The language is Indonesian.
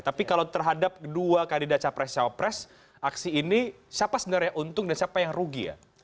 tapi kalau terhadap dua kandidat capres capres aksi ini siapa sebenarnya yang untung dan siapa yang rugi ya